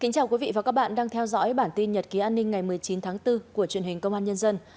chào mừng quý vị đến với bản tin nhật ký an ninh ngày một mươi chín tháng bốn của truyền hình công an nhân dân